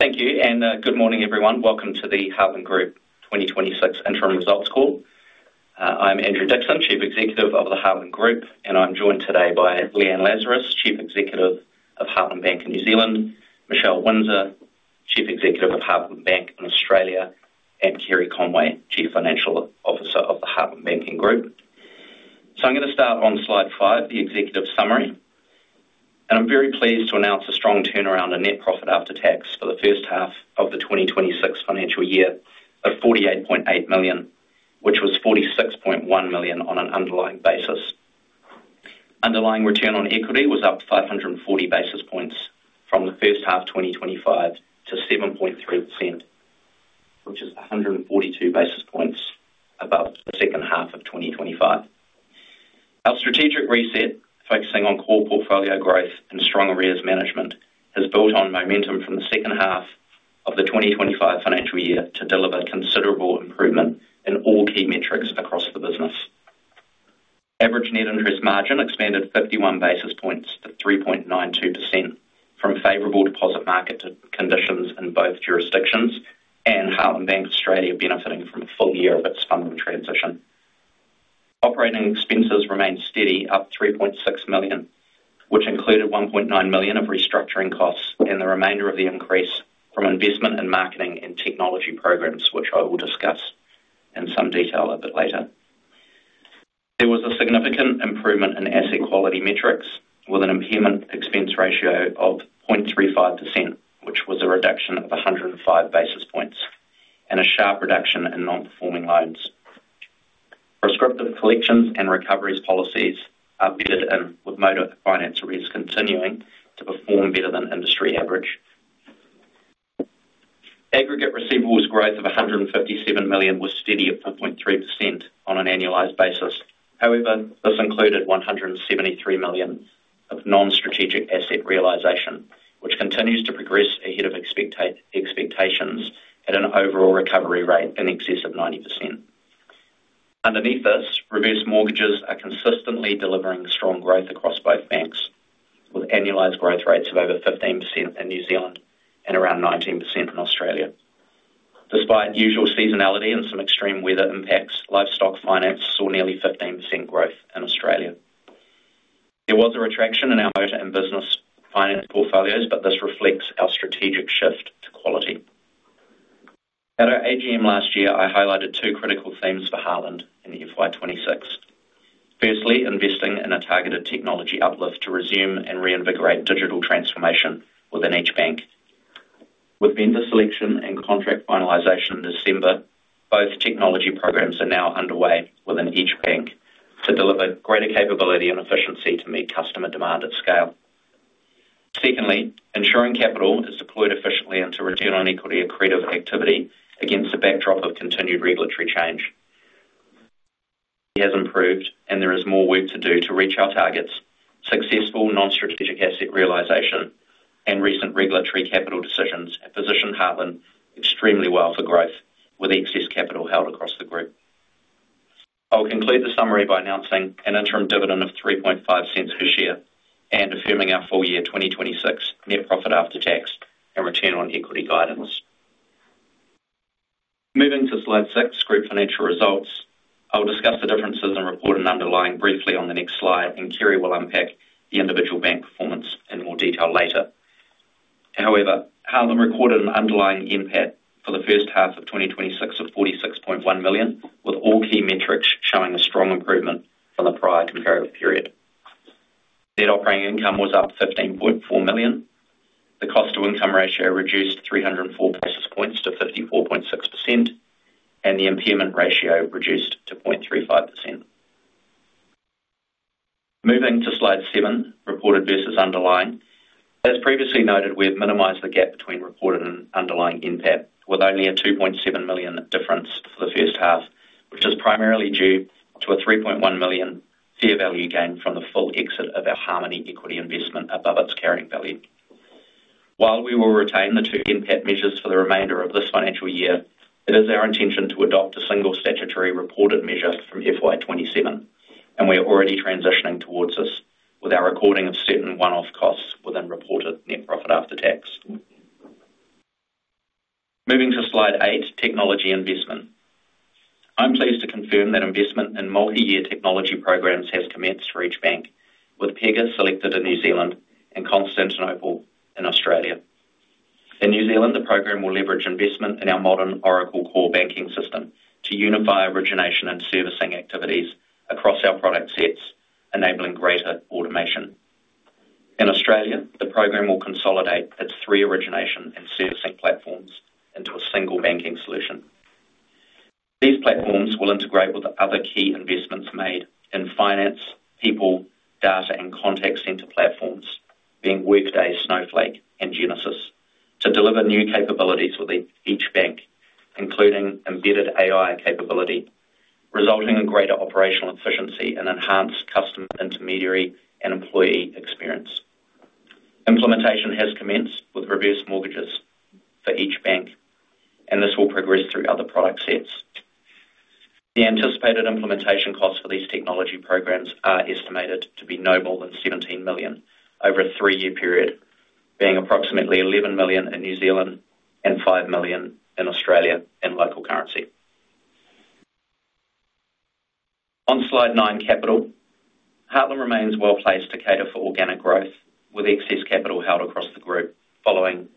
Thank you. Good morning, everyone. Welcome to the Heartland Group 2026 interim results call. I'm Andrew Dixson, Chief Executive of the Heartland Group, and I'm joined today by Leanne Lazarus, Chief Executive of Heartland Bank in New Zealand, Michelle Winzer, Chief Executive of Heartland Bank in Australia, and Kerry Conway, Chief Financial Officer of the Heartland Banking Group. I'm going to start on slide 5, the executive summary. I'm very pleased to announce a strong turnaround in net profit after tax for the first half of the 2026 financial year of 48.8 million, which was 46.1 million on an underlying basis. Underlying return on equity was up 540 basis points from the first half, 2025 to 7.3%, which is 142 basis points above the second half of 2025. Our strategic reset, focusing on core portfolio growth and strong arrears management, has built on momentum from the second half of the 2025 financial year to deliver considerable improvement in all key metrics across the business. Average net interest margin expanded 51 basis points to 3.92% from favorable deposit market conditions in both jurisdictions, and Heartland Bank Australia benefiting from a full year of its funding transition. Operating expenses remained steady, up 3.6 million, which included 1.9 million of restructuring costs, and the remainder of the increase from investment in marketing and technology programs, which I will discuss in some detail a bit later. There was a significant improvement in asset quality metrics with an impairment expense ratio of 0.35%, which was a reduction of 105 basis points and a sharp reduction in Non-Performing Loans. Prescriptive collections and recoveries policies are bedded in, with motor finance arrears continuing to perform better than industry average. Aggregate receivables growth of 157 million was steady at 4.3% on an annualized basis. This included 173 million of Non-Strategic Assets realization, which continues to progress ahead of expectations at an overall recovery rate in excess of 90%. Underneath this, Reverse Mortgages are consistently delivering strong growth across both banks, with annualized growth rates of over 15% in New Zealand and around 19% in Australia. Despite usual seasonality and some extreme weather impacts, livestock finance saw nearly 15% growth in Australia. There was a retraction in our motor and business finance portfolios, but this reflects our strategic shift to quality. At our AGM last year, I highlighted two critical themes for Heartland Group in the FY 2026. Firstly, investing in a targeted technology uplift to resume and reinvigorate digital transformation within each bank. With vendor selection and contract finalization in December, both technology programs are now underway within each bank to deliver greater capability and efficiency to meet customer demand at scale. Secondly, ensuring capital is deployed efficiently into return on equity accretive activity against a backdrop of continued regulatory change. It has improved, and there is more work to do to reach our targets. Successful Non-Strategic Asset realization and recent regulatory capital decisions have positioned Heartland extremely well for growth, with excess capital held across the group. I'll conclude the summary by announcing an interim dividend of 0.035 per share and affirming our full year 2026 net profit after tax and return on equity guidance. Moving to slide six, group financial results. I'll discuss the differences in reported and underlying briefly on the next slide, Kerry Conway will unpack the individual bank performance in more detail later. Heartland Group recorded an underlying NPAT for the first half of 2026 of 46.1 million, with all key metrics showing a strong improvement from the prior comparative period. Net operating income was up 15.4 million. The cost to income ratio reduced 304 basis points to 54.6%, the impairment ratio reduced to 0.35%. Moving to slide seven, reported versus underlying. As previously noted, we have minimized the gap between reported and underlying NPAT, with only a 2.7 million difference for the first half, which is primarily due to a 3.1 million fair value gain from the full exit of our Harmoney equity investment above its carrying value. While we will retain the 2 NPAT measures for the remainder of this financial year, it is our intention to adopt a single statutory reported measure from FY 2027, and we are already transitioning towards this with our recording of certain one-off costs within reported net profit after tax. Moving to slide 8, technology investment. I'm pleased to confirm that investment in multi-year technology programs has commenced for each bank, with Pega selected in New Zealand and Constantinopay in Australia. In New Zealand, the program will leverage investment in our modern Oracle core banking system to unify origination and servicing activities across our product sets, enabling greater automation. In Australia, the program will consolidate its 3 origination and servicing platforms into a single banking solution. These platforms will integrate with the other key investments made in finance, people, data, and contact center platforms, being Workday, Snowflake, and Genesys, to deliver new capabilities within each bank, including embedded AI capability, resulting in greater operational efficiency and enhanced customer, intermediary, and employee experience. Implementation has commenced with Reverse Mortgages for each bank. This will progress through other product sets. The anticipated implementation costs for these technology programs are estimated to be no more than 17 million over a 3-year period, being approximately 11 million in New Zealand and 5 million in Australia in local currency. On slide 9, capital. Heartland remains well-placed to cater for organic growth, with excess capital held across the group following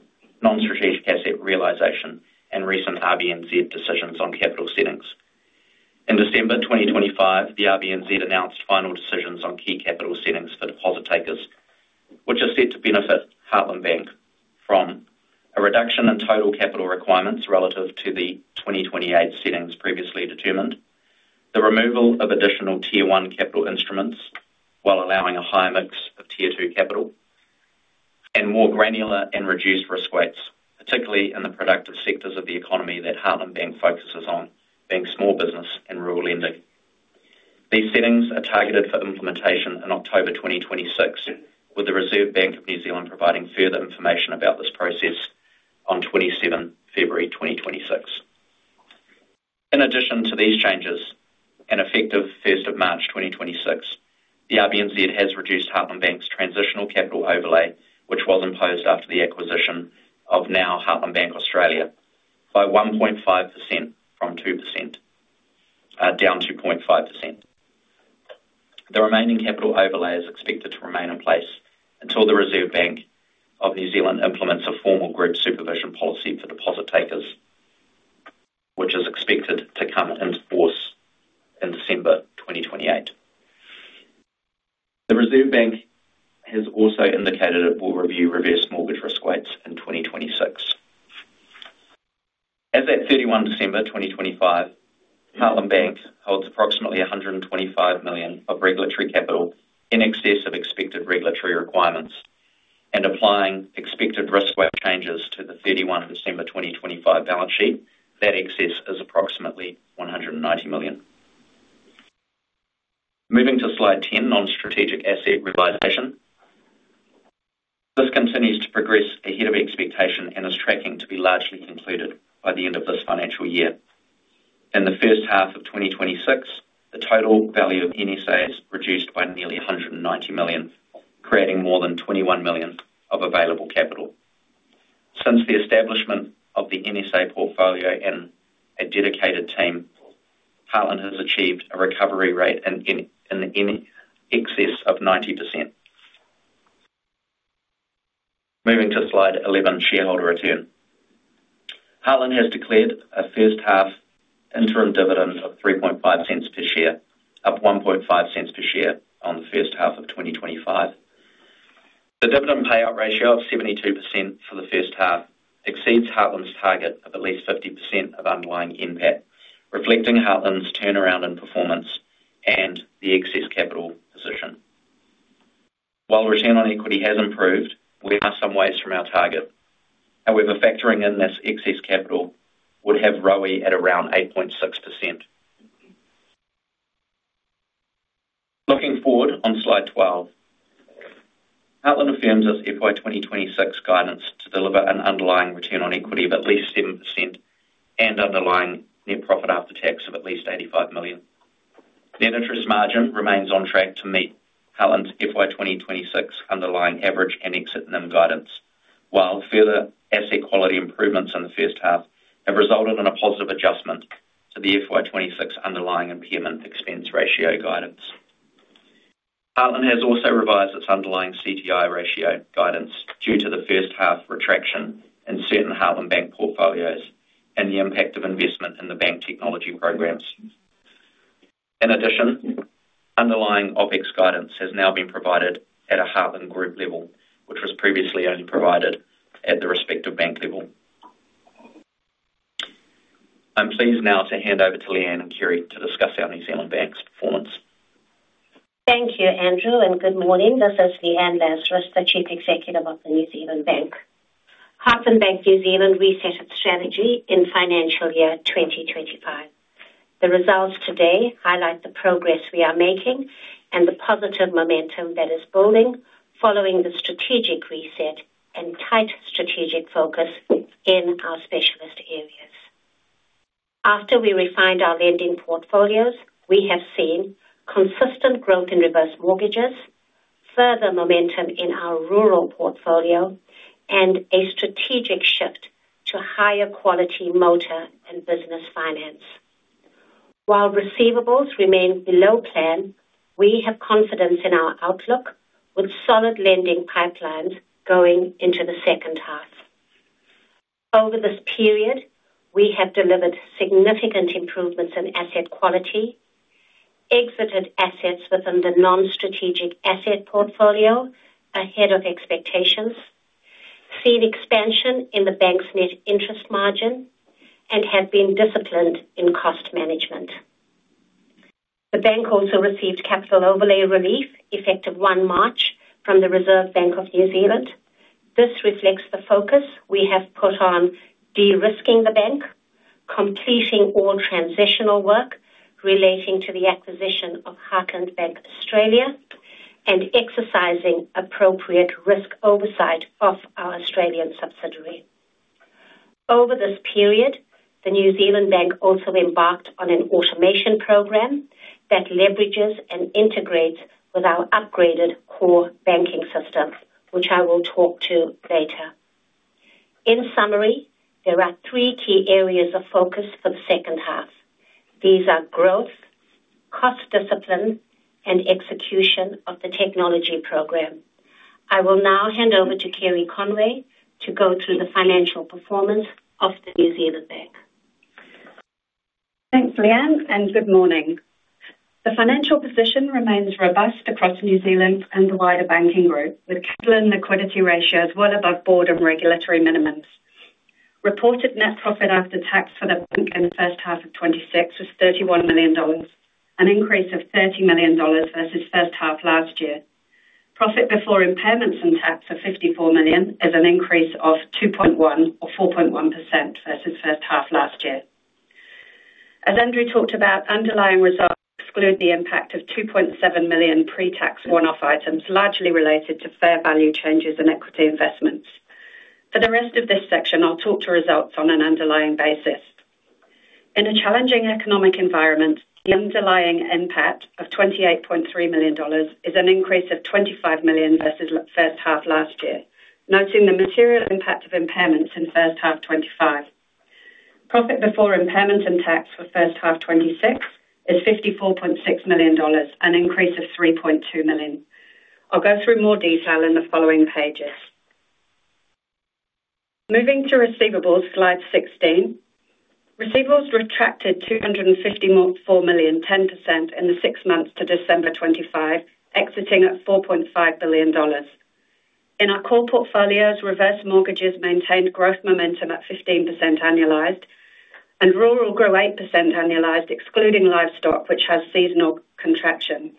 non-strategic asset realization and recent RBNZ decisions on capital settings. In December 2025, the RBNZ announced final decisions on key capital settings for deposit takers, which are set to benefit Heartland Bank from a reduction in total capital requirements relative to the 2028 settings previously determined, the removal of additional Tier 1 capital instruments, while allowing a higher mix of Tier 2 capital and more granular and reduced risk weights, particularly in the productive sectors of the economy that Heartland Bank focuses on, being small business and rural lending. These settings are targeted for implementation in October 2026, with the Reserve Bank of New Zealand providing further information about this process on 27 February 2026. In addition to these changes, effective March 1, 2026, the RBNZ has reduced Heartland Bank's transitional capital overlay, which was imposed after the acquisition of now Heartland Bank Australia, by 1.5% from 2% down to 0.5%. The remaining capital overlay is expected to remain in place until the Reserve Bank of New Zealand implements a formal group supervision policy for deposit takers, which is expected to come into force in December 2028. The Reserve Bank has also indicated it will review Reverse Mortgage risk weights in 2026. As at December 31, 2025, Heartland Bank holds approximately 125 million of regulatory capital in excess of expected regulatory requirements, applying expected risk weight changes to the December 31, 2025 balance sheet, that excess is approximately 190 million. Moving to slide 10, Non-Strategic Asset realization. This continues to progress ahead of expectation and is tracking to be largely concluded by the end of this financial year. In the first half of 2026, the total value of NSAs reduced by nearly 190 million, creating more than 21 million of available capital. Since the establishment of the NSA portfolio and a dedicated team, Heartland has achieved a recovery rate in excess of 90%. Moving to slide 11, shareholder return. Heartland has declared a first half interim dividend of 0.035 per share, up 0.015 per share on the first half of 2025. The dividend payout ratio of 72% for the first half exceeds Heartland's target of at least 50% of underlying NPAT, reflecting Heartland's turnaround and performance and the excess capital position. While return on equity has improved, we are some ways from our target. Factoring in this excess capital would have ROE at around 8.6%. Looking forward on slide 12. Heartland affirms its FY 2026 guidance to deliver an underlying return on equity of at least 7% and underlying net profit after tax of at least 85 million. Net interest margin remains on track to meet Heartland's FY 2026 underlying average and exit NIM guidance, while further asset quality improvements in the first half have resulted in a positive adjustment to the FY 2026 underlying impairment expense ratio guidance. Heartland has also revised its underlying CTI ratio guidance due to the first half retraction in certain Heartland Bank portfolios and the impact of investment in the bank technology programs. Underlying OpEx guidance has now been provided at a Heartland Group level, which was previously only provided at the respective bank level. I'm pleased now to hand over to Leanne Lazarus to discuss our Heartland Bank's performance. Thank you, Andrew. Good morning. This is Leanne Lazarus, the Chief Executive of the New Zealand bank. Heartland Bank, New Zealand reset its strategy in financial year 2025. The results today highlight the progress we are making and the positive momentum that is building following the strategic reset and tight strategic focus in our specialist areas. After we refined our lending portfolios, we have seen consistent growth in Reverse Mortgages, further momentum in our rural portfolio, and a strategic shift to higher quality motor and business finance. While receivables remain below plan, we have confidence in our outlook, with solid lending pipelines going into the second half. Over this period, we have delivered significant improvements in asset quality, exited assets within the non-strategic asset portfolio ahead of expectations, seen expansion in the bank's net interest margin, and have been disciplined in cost management. The bank also received capital overlay relief effective 1 March from the Reserve Bank of New Zealand. This reflects the focus we have put on de-risking the bank, completing all transitional work relating to the acquisition of Heartland Bank Australia, and exercising appropriate risk oversight of our Australian subsidiary. Over this period, the New Zealand Bank also embarked on an automation program that leverages and integrates with our upgraded core banking system, which I will talk to later. In summary, there are three key areas of focus for the second half. These are growth, cost discipline, and execution of the technology program. I will now hand over to Kerry Conway to go through the financial performance of the New Zealand Bank. Thanks, Leanne. Good morning. The financial position remains robust across New Zealand and the wider banking group, with capital and liquidity ratios well above board and regulatory minimums. Reported net profit after tax for the bank in the first half of 2026 was 31 million dollars, an increase of 30 million dollars versus first half last year. Profit before impairments and tax of 54 million is an increase of 2.1 or 4.1% versus first half last year. As Andrew talked about, underlying results exclude the impact of 2.7 million pre-tax one-off items, largely related to fair value changes in equity investments. For the rest of this section, I'll talk to results on an underlying basis. In a challenging economic environment, the underlying NPAT of 28.3 million dollars is an increase of 25 million versus first half last year, noting the material impact of impairments in first half 2025. Profit before impairment and tax for first half 2026 is 54.6 million dollars, an increase of 3.2 million. I'll go through more detail in the following pages. Moving to receivables, slide 16. Receivables retracted 254 million, 10% in the six months to December 2025, exiting at 4.5 billion dollars. In our core portfolios, Reverse Mortgages maintained growth momentum at 15% annualized, and rural grew 8% annualized, excluding livestock, which has seasonal contraction.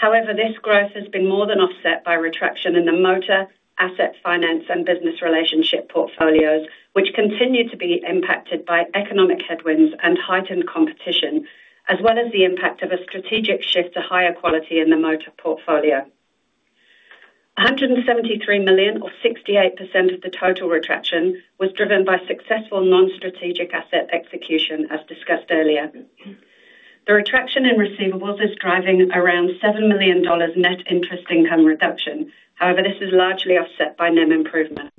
This growth has been more than offset by retraction in the motor, asset finance and business relationship portfolios, which continue to be impacted by economic headwinds and heightened competition, as well as the impact of a strategic shift to higher quality in the motor portfolio. 173 million or 68% of the total retraction was driven by successful non-strategic asset execution, as discussed earlier. The retraction in receivables is driving around 7 million dollars net interest income reduction. This is largely offset by NIM improvement.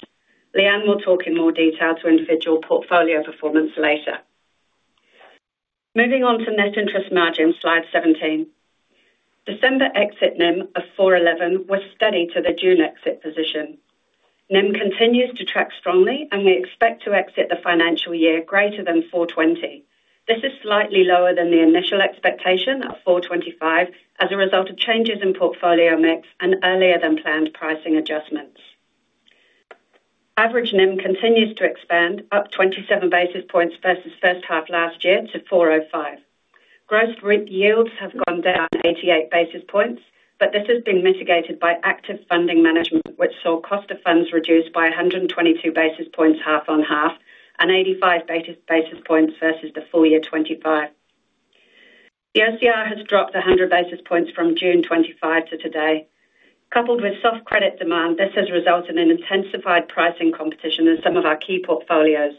Leanne will talk in more detail to individual portfolio performance later. Moving on to net interest margin, slide 17. December exit NIM of 4.11% was steady to the June exit position. NIM continues to track strongly, and we expect to exit the financial year greater than 4.20%. This is slightly lower than the initial expectation of 4.25% as a result of changes in portfolio mix and earlier than planned pricing adjustments. Average NIM continues to expand, up 27 basis points versus first half last year to 4.05%. Gross yields have gone down 88 basis points, but this has been mitigated by active funding management, which saw cost of funds reduced by 122 basis points, half-on-half, and 85 basis points versus the full year 2025. The OCR has dropped 100 basis points from June 2025 to today. Coupled with soft credit demand, this has resulted in intensified pricing competition in some of our key portfolios.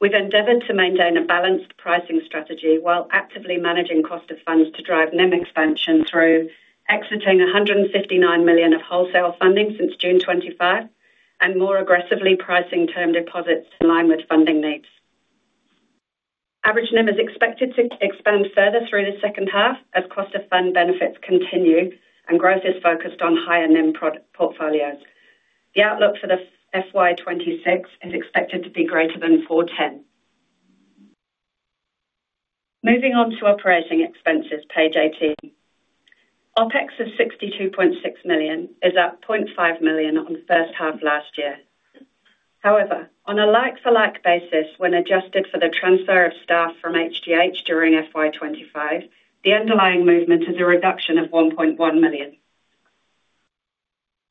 We've endeavored to maintain a balanced pricing strategy while actively managing cost of funds to drive NIM expansion through exiting 159 million of wholesale funding since June 25, and more aggressively pricing term deposits in line with funding needs. Average NIM is expected to expand further through the second half as cost of fund benefits continue and growth is focused on higher NIM product portfolios. The outlook for the FY 2026 is expected to be greater than 4.10%. Moving on to operating expenses, page 18. OpEx of 62.6 million is up 0.5 million on the first half last year. On a like-for-like basis, when adjusted for the transfer of staff from HGH during FY 2025, the underlying movement is a reduction of 1.1 million.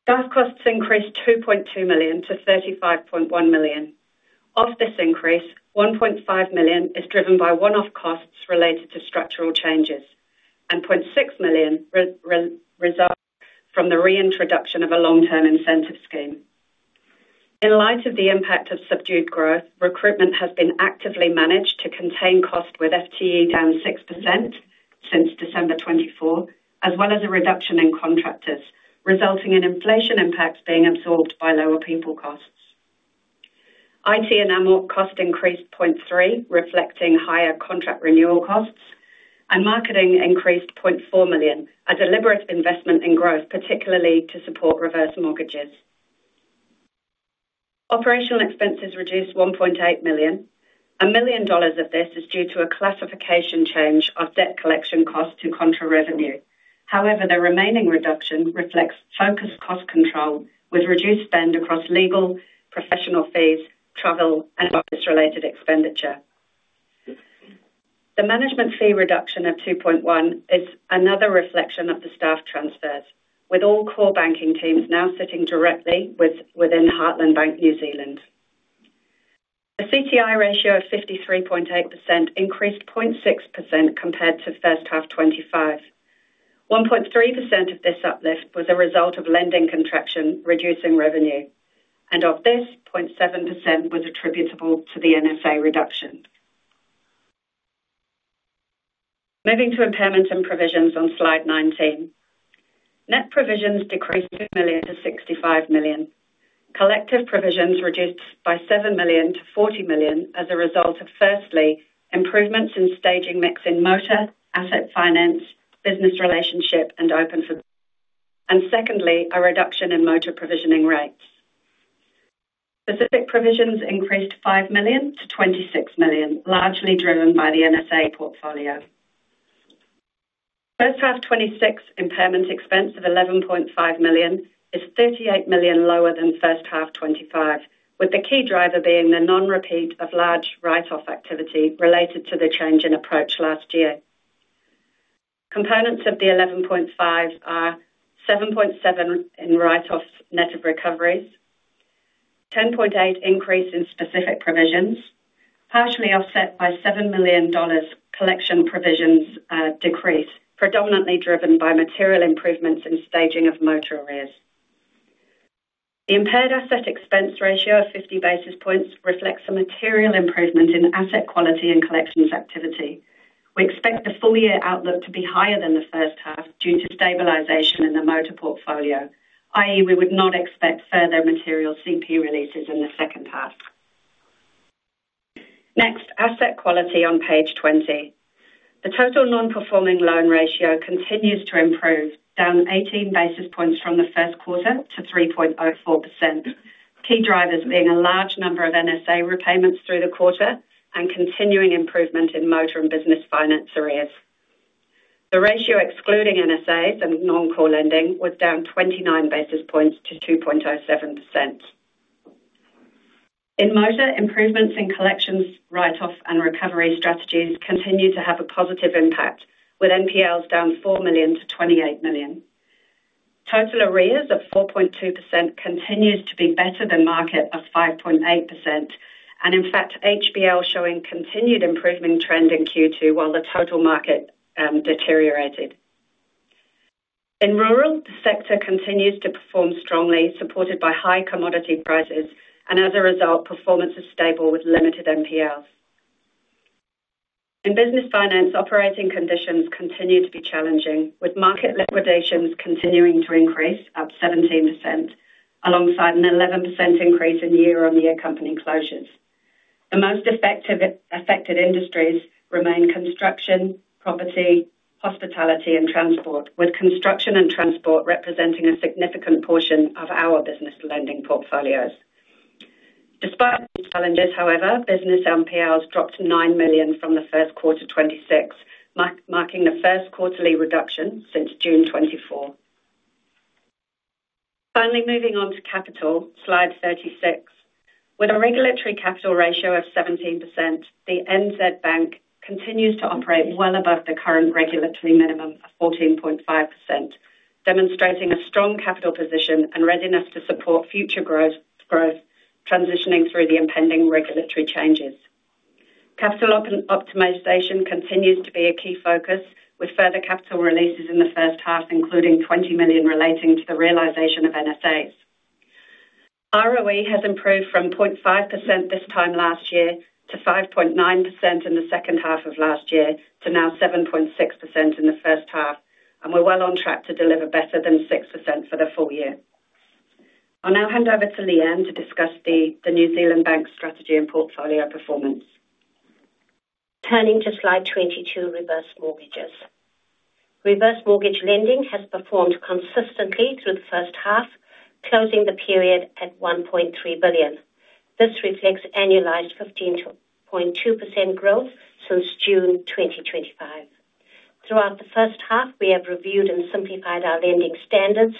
Staff costs increased 2.2 million to 35.1 million. Of this increase, 1.5 million is driven by one-off costs related to structural changes, and 0.6 million results from the reintroduction of a long-term incentive scheme. In light of the impact of subdued growth, recruitment has been actively managed to contain costs, with FTE down 6% since December 2024, as well as a reduction in contractors, resulting in inflation impacts being absorbed by lower people costs. IT and AML cost increased 0.3 million, reflecting higher contract renewal costs, and marketing increased 0.4 million, a deliberate investment in growth, particularly to support Reverse Mortgages. Operational expenses reduced 1.8 million. 1 million dollars of this is due to a classification change of debt collection costs to contra revenue. The remaining reduction reflects focused cost control with reduced spend across legal, professional fees, travel and office-related expenditure. The management fee reduction of 2.1 is another reflection of the staff transfers, with all core banking teams now sitting directly within Heartland Bank, New Zealand. The CTI ratio of 53.8% increased 0.6% compared to first half 2025. 1.3% of this uplift was a result of lending contraction, reducing revenue. Of this, 0.7% was attributable to the NSA reduction. Moving to impairments and provisions on slide 19. Net provisions decreased 2 to 65 million. Collective provisions reduced by 7 million to 40 million as a result of, firstly, improvements in staging mix in motor, asset finance, business relationship, and open for. Secondly, a reduction in motor provisioning rates. Specific provisions increased 5 million to 26 million, largely driven by the NSA portfolio. First half 2026 impairment expense of 11.5 is 38 million lower than first half 2025, with the key driver being the non-repeat of large write-off activity related to the change in approach last year. Components of the 11.5 million are 7.7 million in write-offs net of recoveries, 10.8 million increase in specific provisions, partially offset by 7 million dollars collection provisions decrease, predominantly driven by material improvements in staging of motor arrears. The impaired asset expense ratio of 50 basis points reflects a material improvement in asset quality and collections activity. We expect the full year outlook to be higher than the first half due to stabilization in the motor portfolio, i.e., we would not expect further material CP releases in the second half. Asset quality on page 20. The total non-performing loan ratio continues to improve, down 18 basis points from the 1st quarter to 3.04%. Key drivers being a large number of NSA repayments through the quarter and continuing improvement in motor and business finance arrears. The ratio, excluding NSAs and non-core lending, was down 29 basis points to 2.07%. In motor, improvements in collections, write-offs, and recovery strategies continue to have a positive impact, with NPLs down 4 to 28 million. Total arrears of 4.2% continues to be better than market of 5.8%, and in fact, HBL showing continued improvement trend in Q2 while the total market deteriorated. In rural, the sector continues to perform strongly, supported by high commodity prices, and as a result, performance is stable with limited NPLs. In business finance, operating conditions continue to be challenging, with market liquidations continuing to increase, up 17%, alongside an 11% increase in year-on-year company closures. The most affected industries remain construction, property, hospitality, and transport, with construction and transport representing a significant portion of our business lending portfolios. Despite these challenges, however, business NPLs dropped to 9 million from the Q1, 2026, mark, marking the Q1ly reduction since June 2024. Moving on to capital, slide 36. With a regulatory capital ratio of 17%, the NZ bank continues to operate well above the current regulatory minimum of 14.5%, demonstrating a strong capital position and readiness to support future growth, transitioning through the impending regulatory changes. Capital optimization continues to be a key focus, with further capital releases in the first half, including 20 million relating to the realization of NSAs. ROE has improved from 0.5% this time last year, to 5.9% in the second half of last year, to now 7.6% in the first half, we're well on track to deliver better than 6% for the full year. I'll now hand over to Leanne to discuss the New Zealand Bank strategy and portfolio performance. Turning to slide 22, Reverse Mortgages. Reverse Mortgage lending has performed consistently through the first half, closing the period at 1.3 billion. This reflects annualized 15.2% growth since June 2025. Throughout the first half, we have reviewed and simplified our lending standards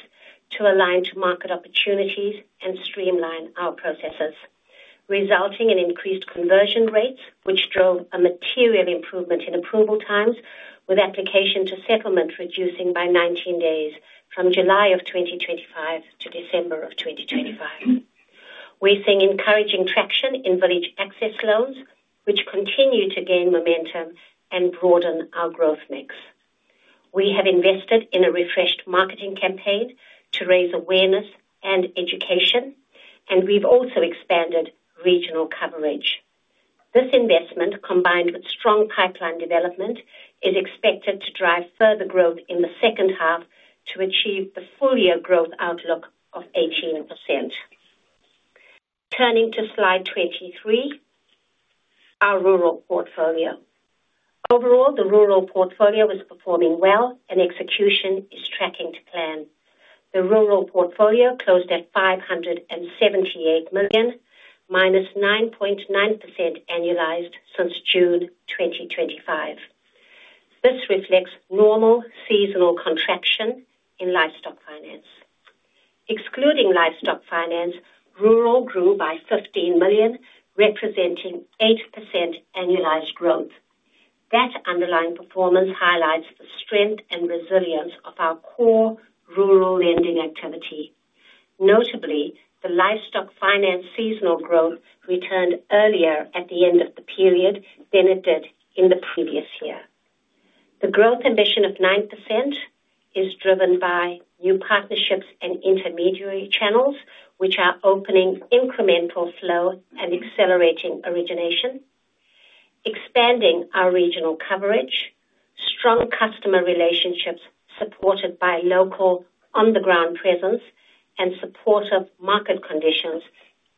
to align to market opportunities and streamline our processes, resulting in increased conversion rates, which drove a material improvement in approval times, with application to settlement reducing by 19 days from July 2025 to December 2025. We're seeing encouraging traction in Village Access Loan, which continue to gain momentum and broaden our growth mix. We have invested in a refreshed marketing campaign to raise awareness and education, and we've also expanded regional coverage. This investment, combined with strong pipeline development, is expected to drive further growth in the second half to achieve the full year growth outlook of 18%. Turning to slide 23, our rural portfolio. Overall, the rural portfolio is performing well and execution is tracking to plan. The rural portfolio closed at 578 million, minus 9.9% annualized since June 2025. This reflects normal seasonal contraction in livestock finance. Excluding livestock finance, rural grew by 15 million, representing 8% annualized growth. That underlying performance highlights the strength and resilience of our core rural lending activity. Notably, the livestock finance seasonal growth returned earlier at the end of the period than it did in the previous year. The growth ambition of 9% is driven by new partnerships and intermediary channels, which are opening incremental flow and accelerating origination, expanding our regional coverage, strong customer relationships supported by local on-the-ground presence, and supportive market conditions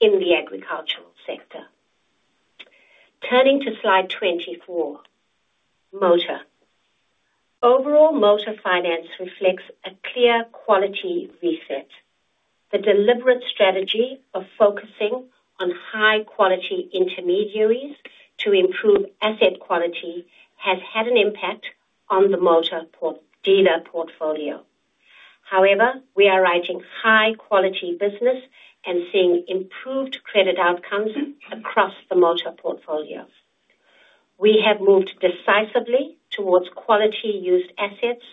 in the agricultural sector. Turning to Slide 24, motor. Overall, motor finance reflects a clear quality reset. The deliberate strategy of focusing on high-quality intermediaries to improve asset quality has had an impact on the motor dealer portfolio. We are writing high-quality business and seeing improved credit outcomes across the motor portfolio. We have moved decisively towards quality used assets,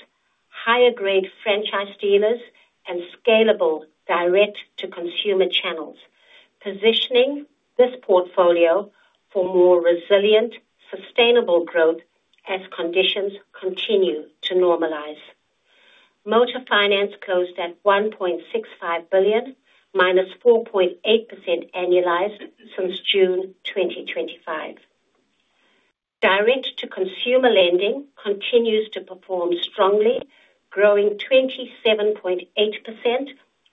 higher-grade franchise dealers, and scalable direct-to-consumer channels, positioning this portfolio for more resilient, sustainable growth as conditions continue to normalize. Motor finance closed at 1.65 billion, minus 4.8% annualized since June 2025. Direct-to-consumer lending continues to perform strongly, growing 27.8%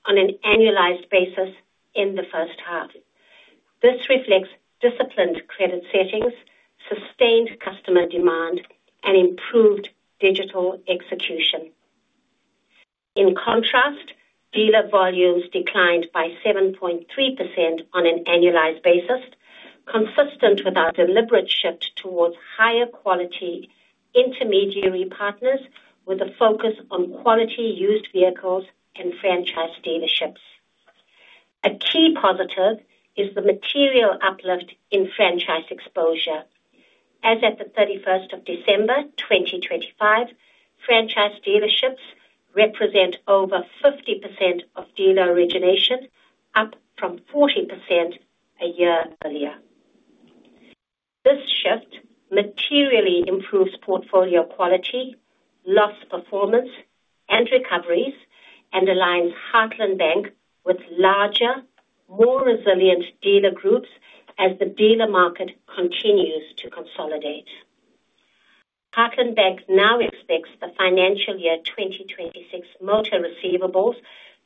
on an annualized basis in the first half. This reflects disciplined credit settings, sustained customer demand, and improved digital execution. In contrast, dealer volumes declined by 7.3% on an annualized basis, consistent with our deliberate shift towards higher quality intermediary partners, with a focus on quality used vehicles and franchise dealerships. A key positive is the material uplift in franchise exposure. As at the 31st of December, 2025, franchise dealerships represent over 50% of dealer origination, up from 40% a year earlier. This shift materially improves portfolio quality, loss performance, and recoveries, and aligns Heartland Bank with larger, more resilient dealer groups as the dealer market continues to consolidate. Heartland Bank now expects the financial year 2026 motor receivables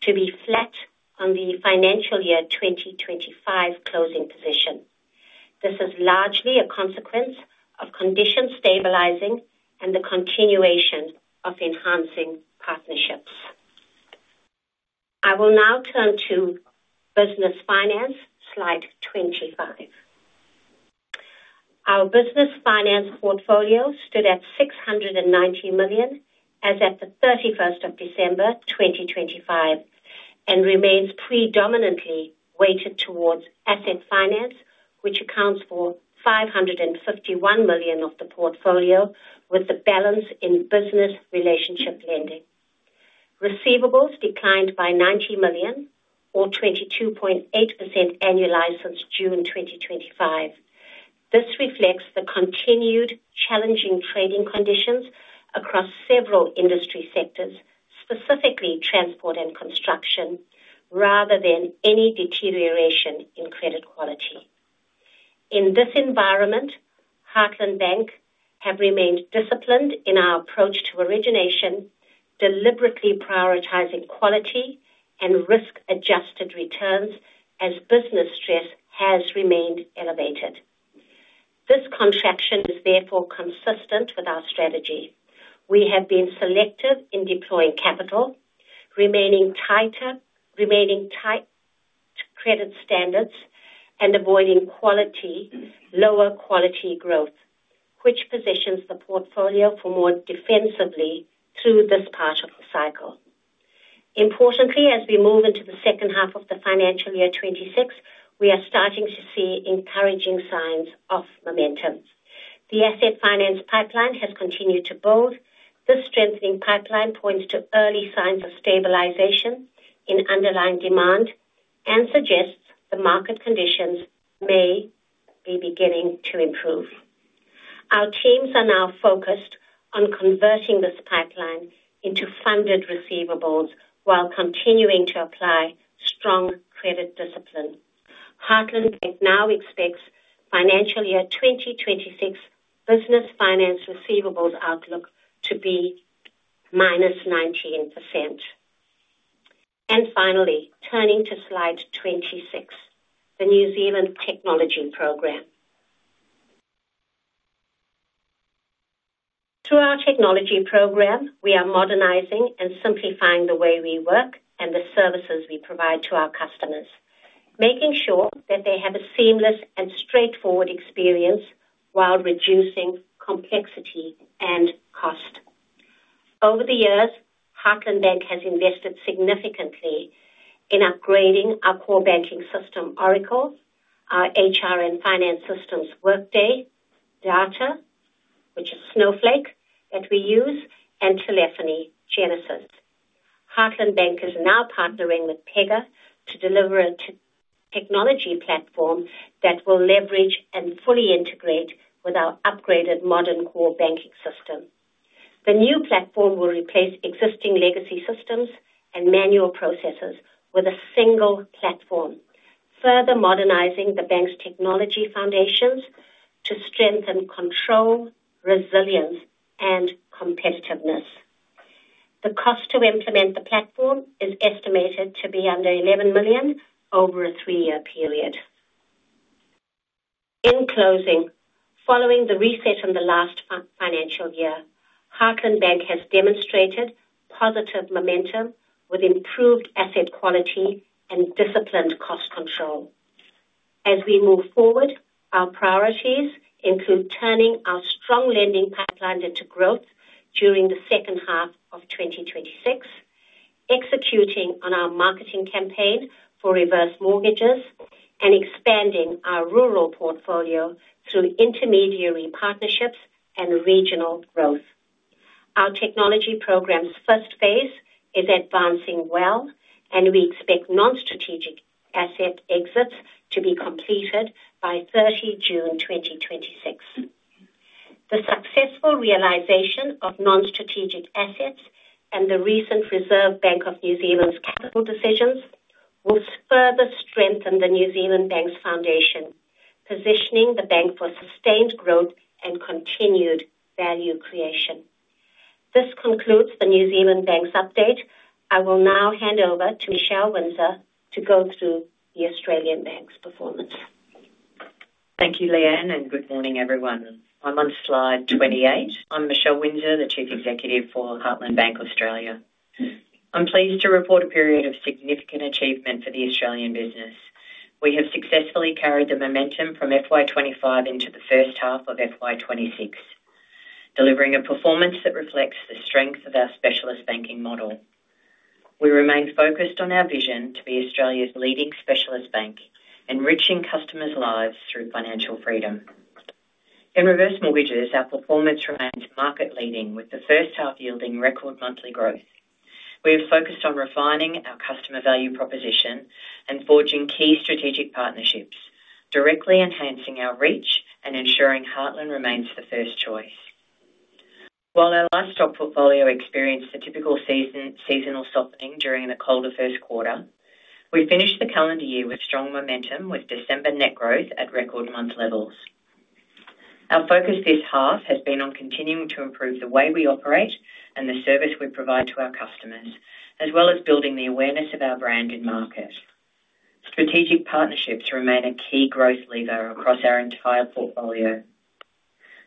to be flat on the financial year 2025 closing position. This is largely a consequence of conditions stabilizing and the continuation of enhancing partnerships. I will now turn to business finance, slide 25. Our business finance portfolio stood at 690 million as at the 31st of December 2025, and remains predominantly weighted towards asset finance, which accounts for 551 million of the portfolio, with the balance in business relationship lending. Receivables declined by 90 million or 22.8% annualized since June 2025. This reflects the continued challenging trading conditions across several industry sectors, specifically transport and construction, rather than any deterioration in credit quality. In this environment, Heartland Bank have remained disciplined in our approach to origination, deliberately prioritizing quality and risk-adjusted returns as business stress has remained elevated. This contraction is therefore consistent with our strategy. We have been selective in deploying capital, remaining tight credit standards, and avoiding lower quality growth, which positions the portfolio for more defensively through this part of the cycle. Importantly, as we move into the second half of the financial year 2026, we are starting to see encouraging signs of momentum. The asset finance pipeline has continued to build. This strengthening pipeline points to early signs of stabilization in underlying demand and suggests the market conditions may be beginning to improve. Our teams are now focused on converting this pipeline into funded receivables while continuing to apply strong credit discipline. Heartland Bank now expects financial year 2026 business finance receivables outlook to be -19%. Finally, turning to slide 26, the New Zealand technology program. Through our technology program, we are modernizing and simplifying the way we work and the services we provide to our customers, making sure that they have a seamless and straightforward experience while reducing complexity and cost. Over the years, Heartland Bank has invested significantly in upgrading our core banking system, Oracle, our HR and finance systems, Workday, Data Snowflake that we use, and telephony Genesys. Heartland Bank is now partnering with Pega to deliver a technology platform that will leverage and fully integrate with our upgraded modern core banking system. The new platform will replace existing legacy systems and manual processes with a single platform, further modernizing the bank's technology foundations to strengthen control, resilience, and competitiveness. The cost to implement the platform is estimated to be under 11 million over a 3-year period. In closing, following the reset in the last financial year, Heartland Bank has demonstrated positive momentum with improved asset quality and disciplined cost control. As we move forward, our priorities include turning our strong lending pipeline into growth during the second half of 2026, executing on our marketing campaign for Reverse Mortgages, and expanding our rural portfolio through intermediary partnerships and regional growth. Our technology program's first phase is advancing well, and we expect Non-Strategic Asset exits to be completed by June 30, 2026. The successful realization of Non-Strategic Assets and the recent Reserve Bank of New Zealand's capital decisions will further strengthen the New Zealand Bank's foundation, positioning the Bank for sustained growth and continued value creation. This concludes the New Zealand Bank's update. I will now hand over to Michelle Winzer to go through the Australian Bank's performance. Thank you, Leanne. Good morning, everyone. I'm on slide 28. I'm Michelle Winzer, the Chief Executive for Heartland Bank Australia. I'm pleased to report a period of significant achievement for the Australian business. We have successfully carried the momentum from FY 2025 into the first half of FY 2026, delivering a performance that reflects the strength of our specialist banking model. We remain focused on our vision to be Australia's leading specialist bank, enriching customers' lives through financial freedom. In Reverse Mortgages, our performance remains market leading, with the first half yielding record monthly growth. We have focused on refining our customer value proposition and forging key strategic partnerships, directly enhancing our reach and ensuring Heartland remains the first choice. While our livestock portfolio experienced a typical seasonal softening during the colder Q1, we finished the calendar year with strong momentum, with December net growth at record month levels. Our focus this half has been on continuing to improve the way we operate and the service we provide to our customers, as well as building the awareness of our brand in market. Strategic partnerships remain a key growth lever across our entire portfolio.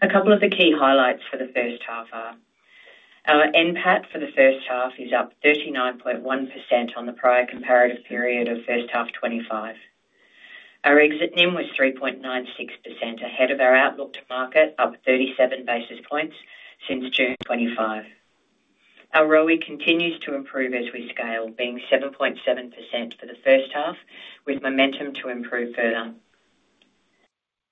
A couple of the key highlights for the first half are: our NPAT for the first half is up 39.1% on the prior comparative period of first half 2025. Our exit NIM was 3.96% ahead of our outlook to market, up 37 basis points since June 2025. Our ROE continues to improve as we scale, being 7.7% for the first half, with momentum to improve further.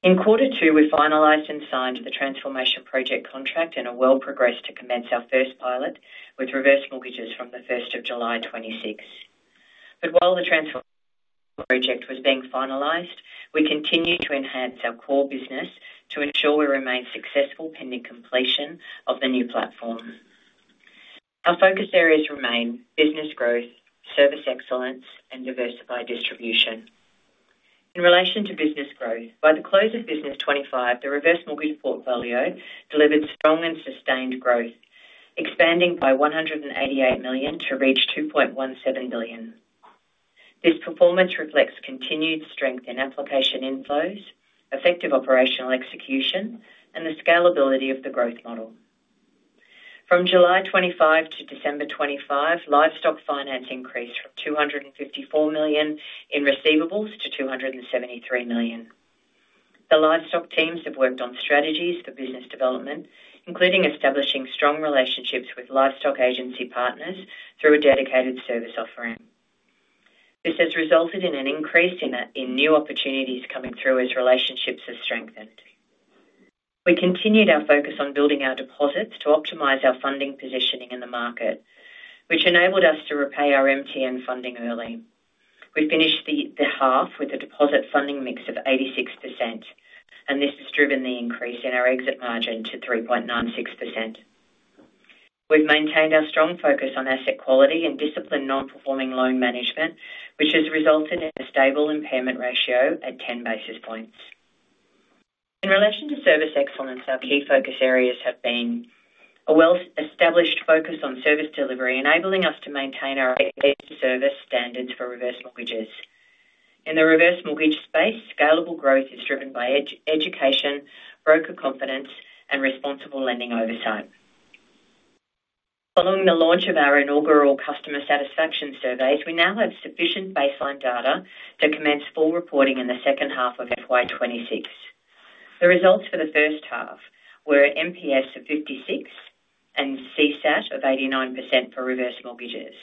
In quarter two, we finalized and signed the transformation project contract and are well progressed to commence our first pilot with Reverse Mortgages from the first of July 2026. While the transform project was being finalized, we continued to enhance our core business to ensure we remain successful pending completion of the new platform. Our focus areas remain business growth, service excellence, and diversified distribution. In relation to business growth, by the close of business 2025, the Reverse Mortgage portfolio delivered strong and sustained growth, expanding by 188 million to reach 2.17 billion. This performance reflects continued strength in application inflows, effective operational execution, and the scalability of the growth model. From July 25 to December 25, livestock finance increased from 254 million in receivables to 273 million. The livestock teams have worked on strategies for business development, including establishing strong relationships with livestock agency partners through a dedicated service offering. This has resulted in an increase in new opportunities coming through as relationships have strengthened. We continued our focus on building our deposits to optimize our funding positioning in the market, which enabled us to repay our MTN funding early. We finished the half with a deposit funding mix of 86%. This has driven the increase in our exit margin to 3.96%. We've maintained our strong focus on asset quality and disciplined non-performing loan management, which has resulted in a stable impairment ratio at 10 basis points. In relation to service excellence, our key focus areas have been a well-established focus on service delivery, enabling us to maintain our service standards for reverse mortgages. In the reverse mortgage space, scalable growth is driven by education, broker confidence, and responsible lending oversight. Following the launch of our inaugural customer satisfaction surveys, we now have sufficient baseline data to commence full reporting in the second half of FY 2026. The results for the first half were an MPS of 56 and CSAT of 89% for reverse mortgages.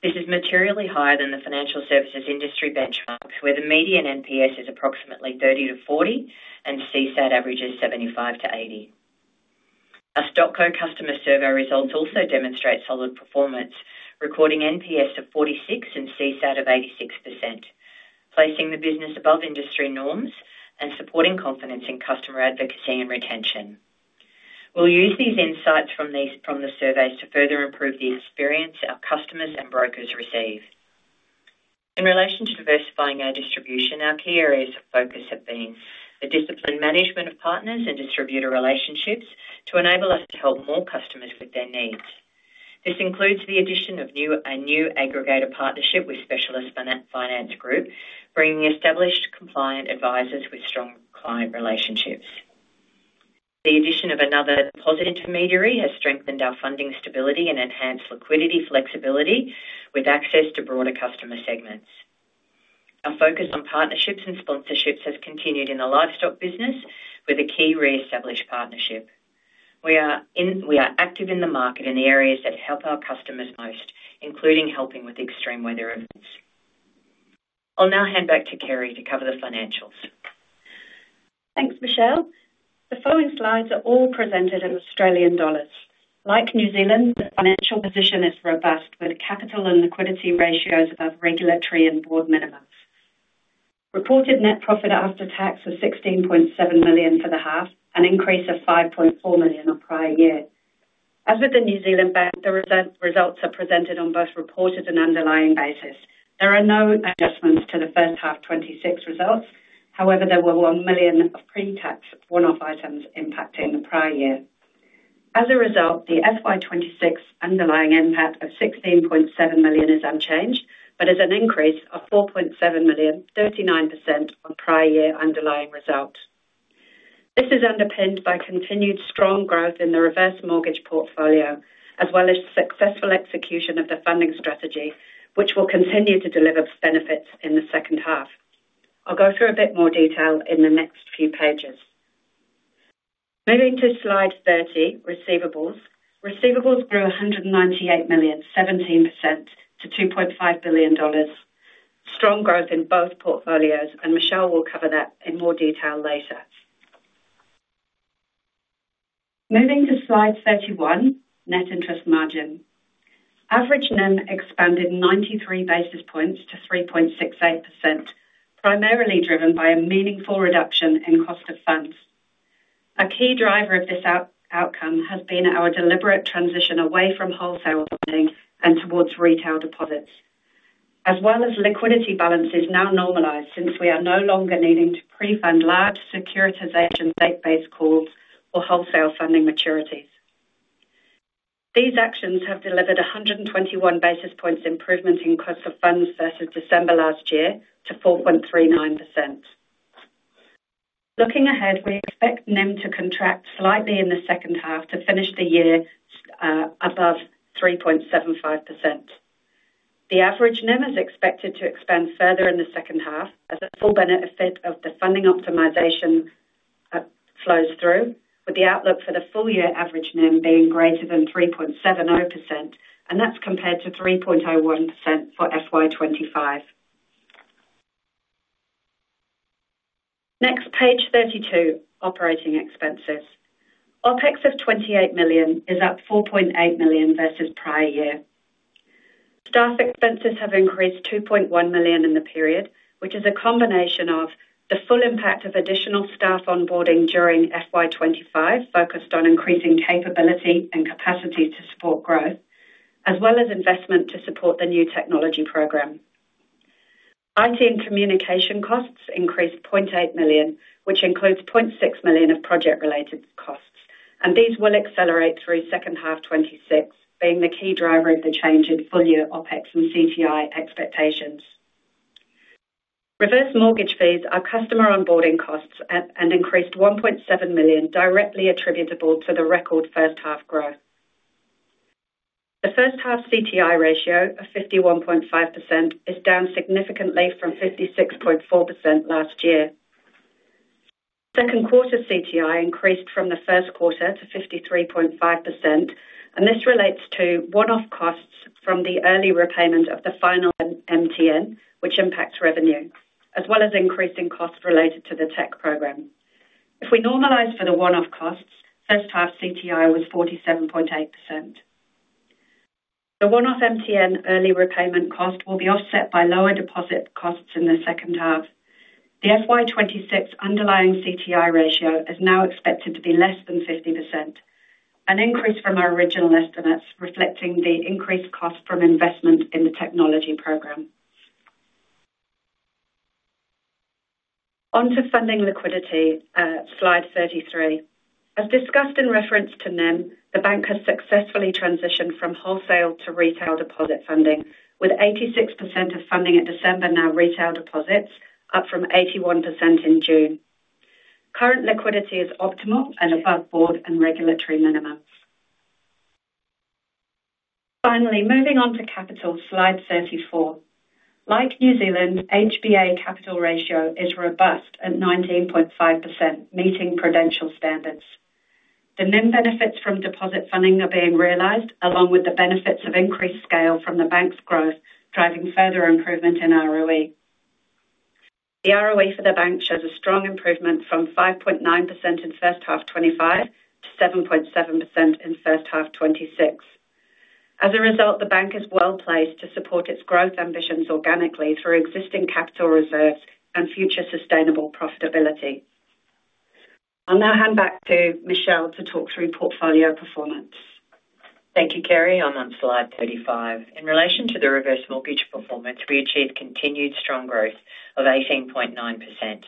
This is materially higher than the financial services industry benchmarks, where the median NPS is approximately 3 to 40 and CSAT averages 75% to 80%. Our StockCo customer survey results also demonstrate solid performance, recording NPS of 46 and CSAT of 86%, placing the business above industry norms and supporting confidence in customer advocacy and retention. We'll use these insights from the surveys to further improve the experience our customers and brokers receive. In relation to diversifying our distribution, our key areas of focus have been the disciplined management of partners and distributor relationships to enable us to help more customers with their needs. This includes the addition of a new aggregator partnership with Specialist Finance Group, bringing established compliant advisors with strong client relationships. The addition of another deposit intermediary has strengthened our funding stability and enhanced liquidity flexibility with access to broader customer segments. Our focus on partnerships and sponsorships has continued in the livestock business with a key reestablished partnership. We are active in the market in the areas that help our customers most, including helping with extreme weather events. I'll now hand back to Kerry to cover the financials. Thanks, Michelle. The following slides are all presented in Australian dollars. Like New Zealand, the financial position is robust, with capital and liquidity ratios above regulatory and board minimums. Reported net profit after tax was 16.7 million for the half, an increase of 5.4 million on prior year. As with the Heartland Bank, the results are presented on both reported and underlying basis. There are no adjustments to the first half 26 results. However, there were 1 million of pre-tax one-off items impacting the prior year. As a result, the FY 26 underlying NPAT of 16.7 million is unchanged, but is an increase of 4.7 million, 39% on prior year underlying results. This is underpinned by continued strong growth in the reverse mortgage portfolio, as well as successful execution of the funding strategy, which will continue to deliver benefits in the second half. I'll go through a bit more detail in the next few pages. Moving to Slide 30, Receivables. Receivables grew 198 million, 17% to 2.5 billion dollars. Michelle will cover that in more detail later. Moving to Slide 31, Net Interest Margin. Average NIM expanded 93 basis points to 3.68%, primarily driven by a meaningful reduction in cost of funds. A key driver of this outcome has been our deliberate transition away from wholesale funding and towards retail deposits, as well as liquidity balances now normalized since we are no longer needing to pre-fund large securitization, date-based calls or wholesale funding maturities. These actions have delivered 121 basis points improvement in cost of funds versus December last year to 4.39%. Looking ahead, we expect NIM to contract slightly in the second half to finish the year above 3.75%. The average NIM is expected to expand further in the second half as the full benefit of the funding optimization flows through, with the outlook for the full year average NIM being greater than 3.70%, and that's compared to 3.01% for FY 2025. Page 32, Operating Expenses. OpEx of 28 million is up 4.8 million versus prior year. Staff expenses have increased 2.1 million in the period, which is a combination of the full impact of additional staff onboarding during FY 2025, focused on increasing capability and capacity to support growth, as well as investment to support the new technology program. IT and communication costs increased 0.8 million, which includes 0.6 million of project-related costs. These will accelerate through second half 2026, being the key driver of the change in full year OpEx and CTI expectations. Reverse Mortgage fees are customer onboarding costs and increased 1.7 million, directly attributable to the record first half growth. The first half CTI ratio of 51.5% is down significantly from 56.4% last year. Q2 CTI increased from the Q1 to 53.5%, this relates to one-off costs from the early repayment of the final MTN, which impacts revenue, as well as increasing costs related to the tech program. If we normalize for the one-off costs, first half CTI was 47.8%. The one-off MTN early repayment cost will be offset by lower deposit costs in the second half. The FY 2026 underlying CTI ratio is now expected to be less than 50%, an increase from our original estimates, reflecting the increased cost from investment in the technology program. On to funding liquidity, Slide 33. As discussed in reference to NIM, the bank has successfully transitioned from wholesale to retail deposit funding, with 86% of funding at December now retail deposits, up from 81% in June. Current liquidity is optimal and above board and regulatory minimums. Moving on to Capital, Slide 34. Like New Zealand, HBA capital ratio is robust at 19.5%, meeting prudential standards. The NIM benefits from deposit funding are being realized, along with the benefits of increased scale from the bank's growth, driving further improvement in ROE. The ROE for the bank shows a strong improvement from 5.9% in first half 2025 to 7.7% in first half 2026. The bank is well-placed to support its growth ambitions organically through existing capital reserves and future sustainable profitability. I'll now hand back to Michelle to talk through portfolio performance. Thank you, Kerry. I'm on slide 35. In relation to the Reverse Mortgage performance, we achieved continued strong growth of 18.9%.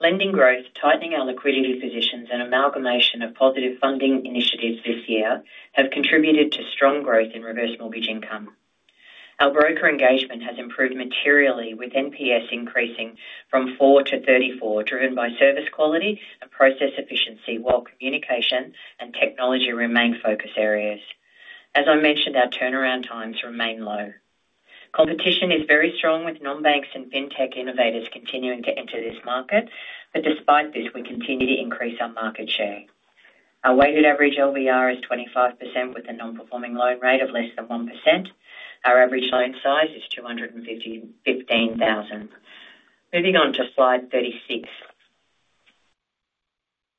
Lending growth, tightening our liquidity positions, and amalgamation of positive funding initiatives this year have contributed to strong growth in Reverse Mortgage income. Our broker engagement has improved materially, with NPS increasing from 4 to 34, driven by service quality and process efficiency, while communication and technology remain focus areas. As I mentioned, our turnaround times remain low. Competition is very strong, with non-banks and fintech innovators continuing to enter this market, but despite this, we continue to increase our market share. Our weighted average LVR is 25%, with a Non-Performing Loan rate of less than 1%. Our average loan size is 215,000. Moving on to slide 36.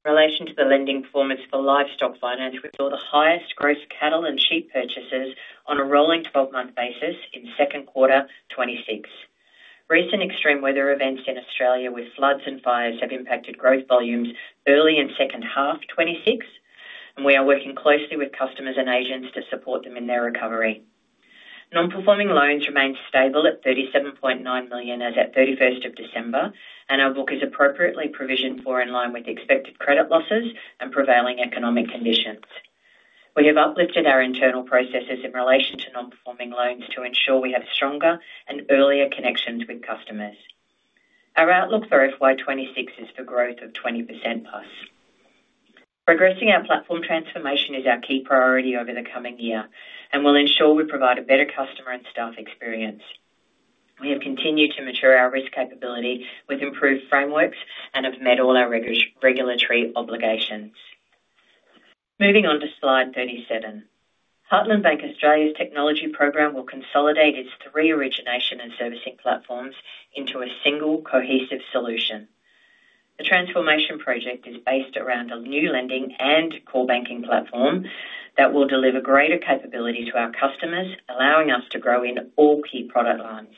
In relation to the lending performance for livestock finance, we saw the highest gross cattle and sheep purchases on a rolling 12-month basis in Q2 2026. Recent extreme weather events in Australia, with floods and fires, have impacted growth volumes early in 2H 2026, and we are working closely with customers and agents to support them in their recovery. Non-performing loans remained stable at 37.9 million as at 31st of December, and our book is appropriately provisioned for in line with expected credit losses and prevailing economic conditions. We have uplifted our internal processes in relation to non-performing loans to ensure we have stronger and earlier connections with customers. Our outlook for FY 2026 is for growth of 20%+. Progressing our platform transformation is our key priority over the coming year and will ensure we provide a better customer and staff experience. We have continued to mature our risk capability with improved frameworks and have met all our regulatory obligations. Moving on to slide 37. Heartland Bank Australia's technology program will consolidate its 3 origination and servicing platforms into a single cohesive solution. The transformation project is based around a new lending and core banking platform that will deliver greater capability to our customers, allowing us to grow in all key product lines.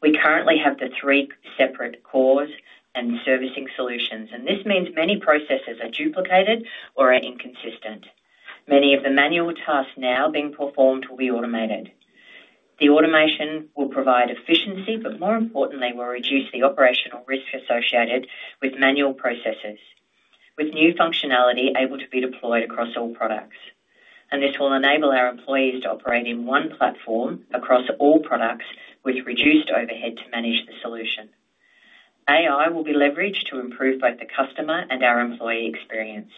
We currently have the 3 separate cores and servicing solutions, and this means many processes are duplicated or are inconsistent. Many of the manual tasks now being performed will be automated. The automation will provide efficiency, but more importantly, will reduce the operational risk associated with manual processes, with new functionality able to be deployed across all products. This will enable our employees to operate in one platform across all products, with reduced overhead to manage the solution. AI will be leveraged to improve both the customer and our employee experience.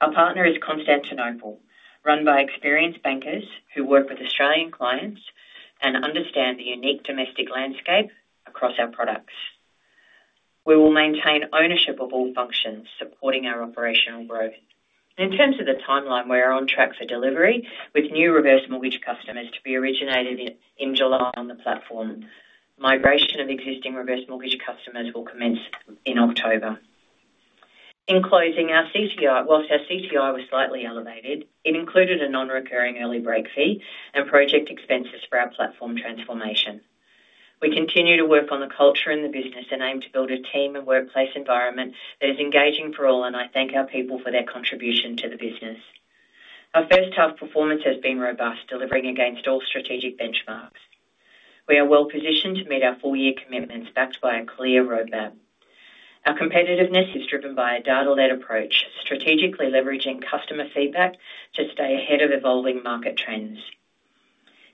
Our partner is Constantinople, run by experienced bankers who work with Australian clients and understand the unique domestic landscape across our products. We will maintain ownership of all functions supporting our operational growth. In terms of the timeline, we are on track for delivery, with new reverse mortgage customers to be originated in July on the platform. Migration of existing reverse mortgage customers will commence in October. In closing, whilst our CTI was slightly elevated, it included a non-recurring early break fee and project expenses for our platform transformation. We continue to work on the culture and the business and aim to build a team and workplace environment that is engaging for all, and I thank our people for their contribution to the business. Our first half performance has been robust, delivering against all strategic benchmarks. We are well positioned to meet our full year commitments, backed by a clear roadmap. Our competitiveness is driven by a data-led approach, strategically leveraging customer feedback to stay ahead of evolving market trends.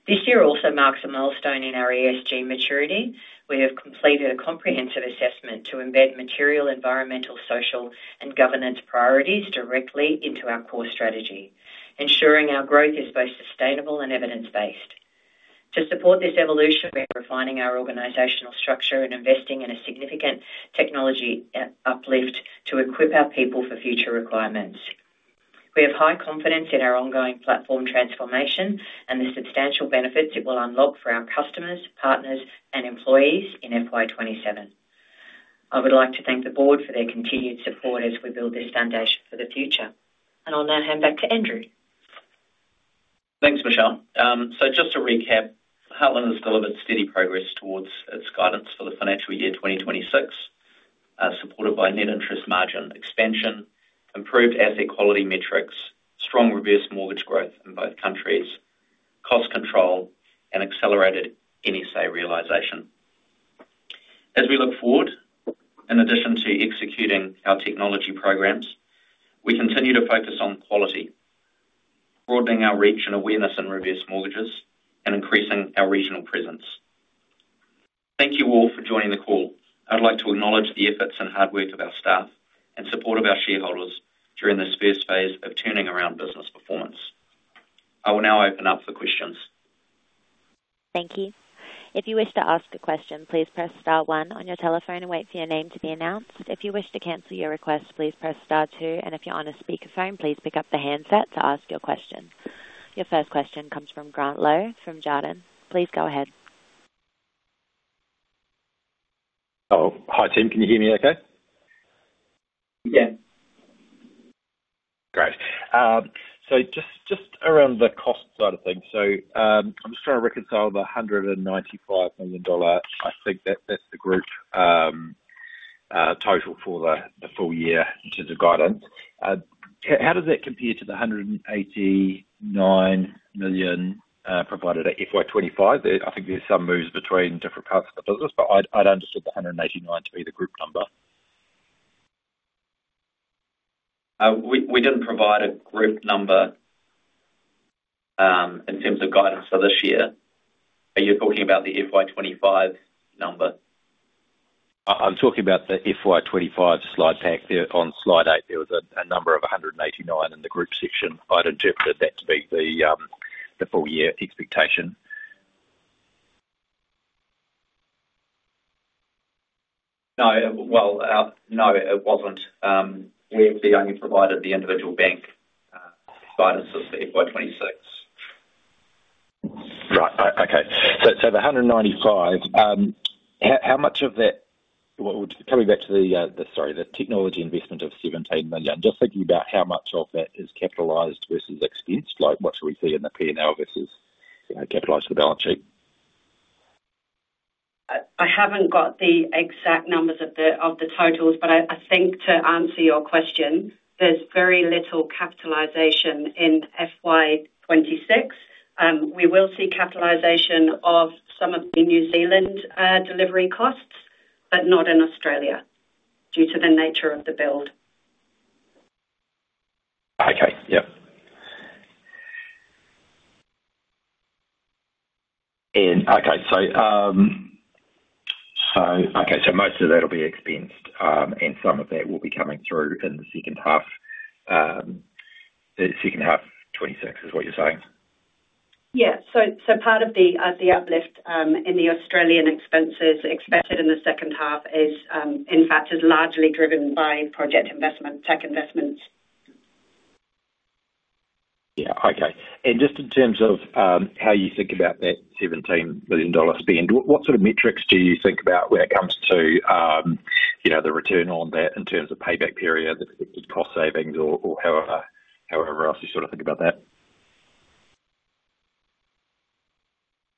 This year also marks a milestone in our ESG maturity. We have completed a comprehensive assessment to embed material, environmental, social, and governance priorities directly into our core strategy, ensuring our growth is both sustainable and evidence-based. To support this evolution, we are refining our organizational structure and investing in a significant technology uplift to equip our people for future requirements. We have high confidence in our ongoing platform transformation and the substantial benefits it will unlock for our customers, partners, and employees in FY 2027. I would like to thank the board for their continued support as we build this foundation for the future. I'll now hand back to Andrew. Thanks, Michelle Winzer. Just to recap, Heartland Group has delivered steady progress towards its guidance for the financial year 2026, supported by net interest margin expansion, improved asset quality metrics, strong Reverse Mortgage growth in both countries, cost control, and accelerated NSA realization. As we look forward, in addition to executing our technology programs, we continue to focus on quality, broadening our reach and awareness in Reverse Mortgages, and increasing our regional presence. Thank you all for joining the call. I'd like to acknowledge the efforts and hard work of our staff and support of our shareholders during this first phase of turning around business performance. I will now open up for questions. Thank you. If you wish to ask a question, please press star one on your telephone and wait for your name to be announced. If you wish to cancel your request, please press star two, and if you're on a speakerphone, please pick up the handset to ask your question. Your first question comes from Grant Lowe, from Jarden. Please go ahead. Oh, hi, team. Can you hear me okay? Yeah. Great. Just around the cost side of things. I'm just trying to reconcile the 195 million dollar. I think that's the group total for the full year in terms of guidance. How does that compare to the 189 million provided at FY25? I think there's some moves between different parts of the business, but I'd understood the 189 million to be the group number. We didn't provide a group number in terms of guidance for this year. Are you talking about the FY 25 number? I'm talking about the FY25 slide pack. There, on slide eight, there was a number of 189 in the Group section. I'd interpreted that to be the full year expectation. No. Well, no, it wasn't. We've only provided the individual bank, guidance for the FY 26. Okay. The 195, how much of that... Coming back to the, sorry, the technology investment of 17 million, just thinking about how much of that is capitalized versus expensed, like, what should we see in the P&L versus, capitalized the balance sheet? I haven't got the exact numbers of the totals, but I think to answer your question, there's very little capitalization in FY26. We will see capitalization of some of the New Zealand delivery costs, but not in Australia due to the nature of the build. Okay. Yep. Okay, so okay, so most of that'll be expensed, and some of that will be coming through in the second half, the second half 2026, is what you're saying? Yeah. So part of the uplift in the Australian expenses expected in the second half is, in fact, largely driven by project investment, tech investments. Yeah. Okay. Just in terms of how you think about that 17 million dollar spend, what sort of metrics do you think about when it comes to, you know, the return on that in terms of payback period, the expected cost savings or however else you sort of think about that?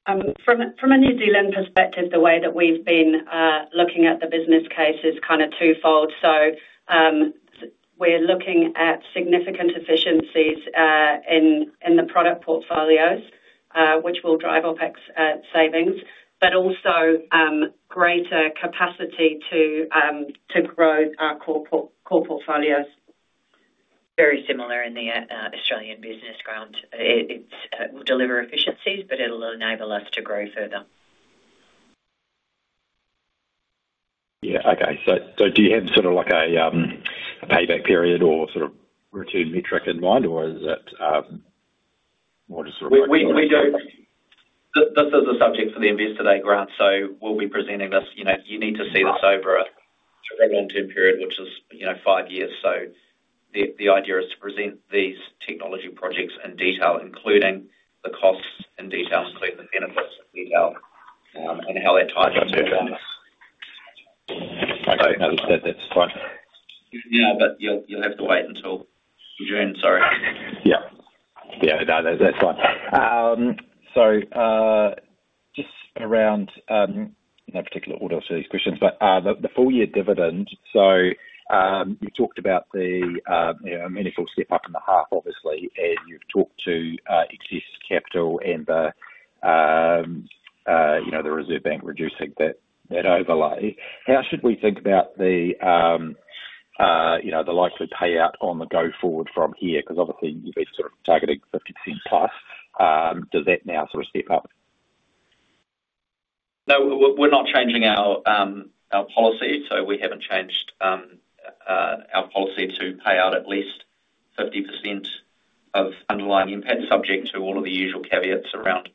From a, from a New Zealand perspective, the way that we've been looking at the business case is kind of twofold. We're looking at significant efficiencies in the product portfolios, which will drive OpEx savings, but also greater capacity to grow our core portfolios. Very similar in the Australian business, Grant. It will deliver efficiencies, but it'll enable us to grow further. Yeah. Okay. Do you have sort of like a payback period or sort of return metric in mind, or is it more just? We don't. This is a subject for the Investor Day, Grant, so we'll be presenting this. You know, you need to see this over a very long-term period, which is, you know, five years. The idea is to present these technology projects in detail, including the costs in detail, including the benefits in detail, and how they're tied to performance. Okay, that's fine. Yeah, you'll have to wait until June. Sorry. Yeah. Yeah, that's fine. Just around no particular order to these questions, but the full-year dividend. You talked about the, you know, meaningful step up in the half, obviously, and you've talked to excess capital and the, you know, the Reserve Bank reducing that overlay. How should we think about the, you know, the likely payout on the go forward from here? Because obviously you've been sort of targeting 50% plus. Does that now sort of step up? We're not changing our policy. We haven't changed our policy to pay out at least 50% of underlying impact, subject to all of the usual caveats around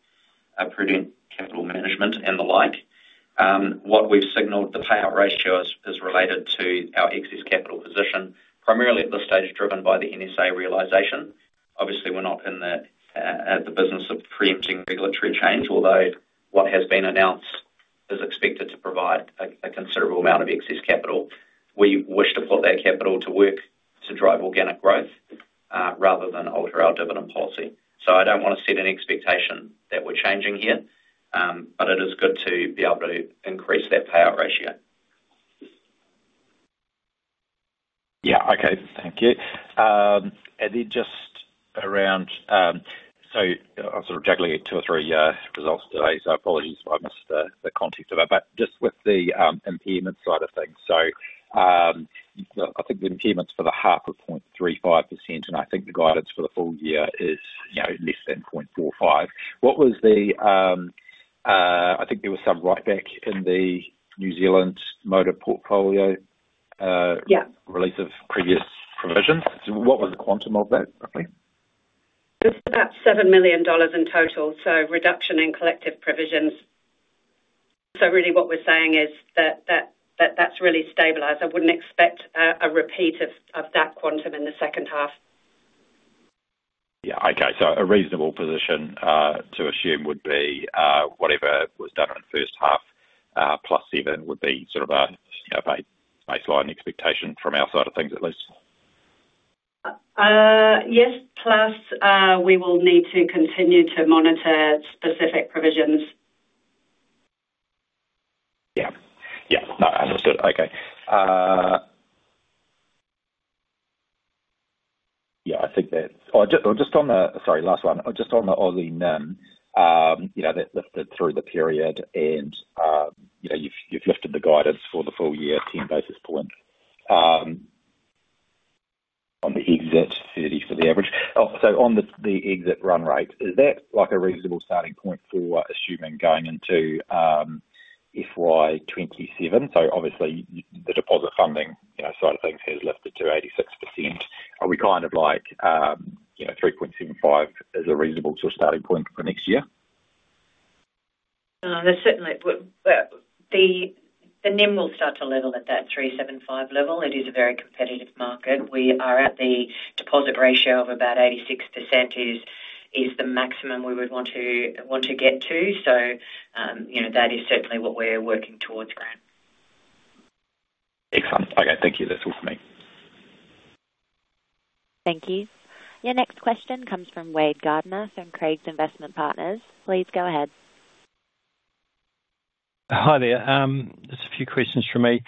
prudent capital management and the like. What we've signaled, the payout ratio is related to our excess capital position, primarily at this stage, driven by the NSA realization. Obviously, we're not in the business of preempting regulatory change, although what has been announced is expected to provide a considerable amount of excess capital. We wish to put that capital to work to drive organic growth rather than alter our dividend policy. I don't want to set any expectation that we're changing here. It is good to be able to increase that payout ratio. Okay. Thank you. Just around, I'm sort of juggling two or three results today, apologies if I missed the context of it, but just with the impairment side of things. I think the impairments for the half are 0.35%, I think the guidance for the full year is, you know, less than 0.45%. What was the I think there was some write back in the New Zealand motor portfolio, Yeah. Release of previous provisions. What was the quantum of that, roughly? It's about 7 million dollars in total, so reduction in collective provisions. Really what we're saying is that's really stabilized. I wouldn't expect a repeat of that quantum in the second half. Yeah. Okay. A reasonable position to assume would be, whatever was done in the first half, plus seven, would be sort of a, you know, a baseline expectation from our side of things, at least? Yes, plus, we will need to continue to monitor specific provisions. Yeah. Yeah. No, understood. Okay. Yeah, I think that's Sorry, last one. Just on the Aussie NIM, you know, that lifted through the period and, you know, you've lifted the guidance for the full year, 10 basis points, on the exit 30 for the average. On the exit run rate, is that like a reasonable starting point for assuming going into FY 2027? Obviously the deposit funding, you know, side of things has lifted to 86%. Are we kind of like, you know, 3.75% is a reasonable sort of starting point for next year? That's certainly the NIM will start to level at that 375 level. It is a very competitive market. We are at the deposit ratio of about 86% is the maximum we would want to get to. You know, that is certainly what we're working towards, Grant. Excellent. Okay, thank you. That's all for me. Thank you. Your next question comes from Wade Gardiner from Craigs Investment Partners. Please go ahead. Hi there. Just a few questions from me.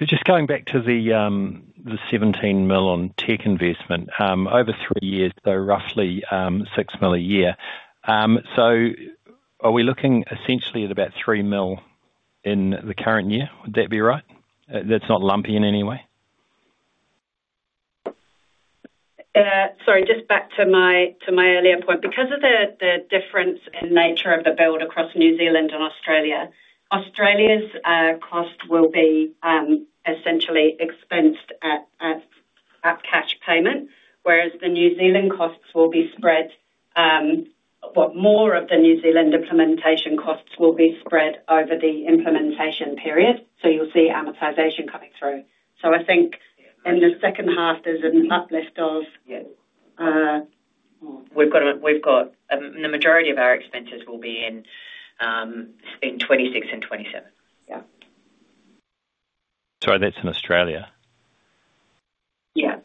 Just going back to the 17 million on tech investment, over 3 years, roughly 6 million a year. Are we looking essentially at about 3 million in the current year? Would that be right? That's not lumpy in any way? Sorry, just back to my earlier point. Of the difference in nature of the build across New Zealand and Australia's cost will be essentially expensed at cash payment, whereas the New Zealand costs will be spread, but more of the New Zealand implementation costs will be spread over the implementation period. You'll see amortization coming through. I think in the second half, there's an uplift of, the majority of our expenses will be in spent 2026 and 2027. Yeah. Sorry, that's in Australia? Yeah.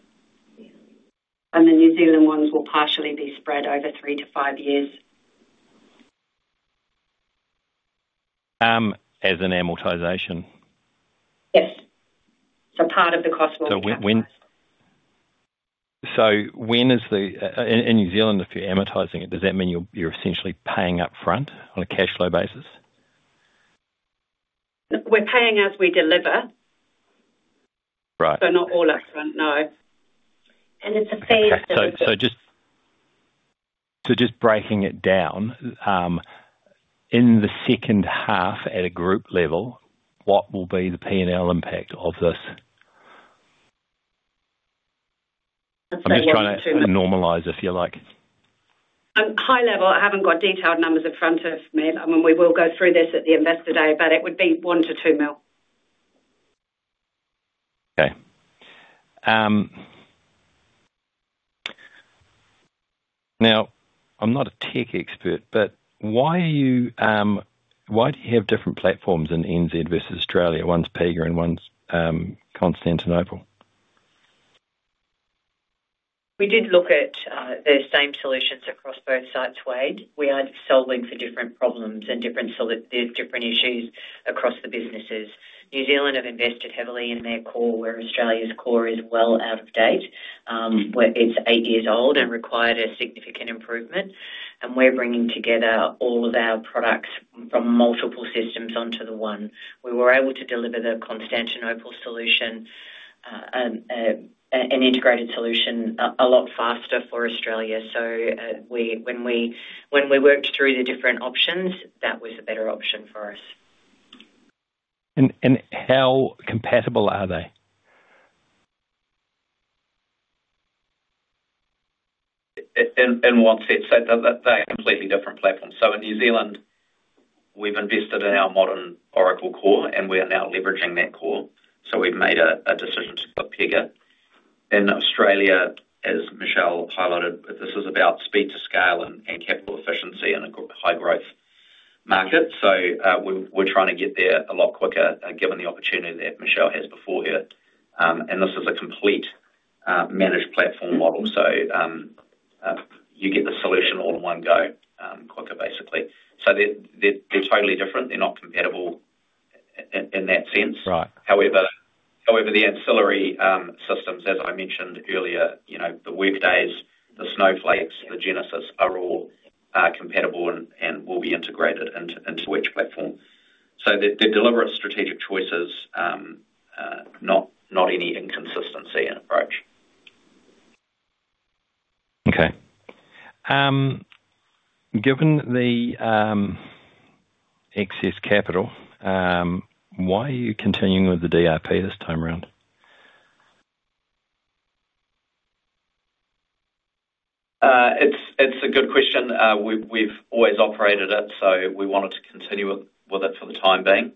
The New Zealand ones will partially be spread over three to five years. As an amortization? Yes. Part of the cost will be. When is the in New Zealand, if you're amortizing it, does that mean you're essentially paying up front on a cash flow basis? We're paying as we deliver. Right. Not all up front, no. And it's a fair- Just breaking it down, in the second half at a group level, what will be the P&L impact of this? So you- I'm just trying to normalize, if you like. High level, I haven't got detailed numbers in front of me. I mean, we will go through this at the Investor Day, but it would be 1 million-2 million. Now, I'm not a tech expert, but why are you, why do you have different platforms in NZ versus Australia? One's Pega and one's Constantinople. We did look at the same solutions across both sites, Wade. We are solving for different problems and different issues across the businesses. New Zealand have invested heavily in their core, where Australia's core is well out of date, where it's eight years old and required a significant improvement. We're bringing together all of our products from multiple systems onto the one. We were able to deliver the Constantinople solution, an integrated solution, a lot faster for Australia. When we worked through the different options, that was a better option for us. How compatible are they? In one sense, so they're completely different platforms. In New Zealand, we've invested in our modern Oracle core, and we are now leveraging that core. We've made a decision to go Pega. In Australia, as Michelle highlighted, this is about speed to scale and capital efficiency in a high growth market. We're trying to get there a lot quicker, given the opportunity that Michelle has before her. And this is a complete, managed platform model. You get the solution all in one go, quicker, basically. They're totally different. They're not compatible in that sense. Right. However, the ancillary systems, as I mentioned earlier, you know, the Workday, the Snowflake, the Genesys, are all compatible and will be integrated into each platform. They deliver a strategic choices, not any inconsistency in approach. Given the excess capital, why are you continuing with the DRP this time around? It's a good question. We've always operated it, so we wanted to continue with it for the time being.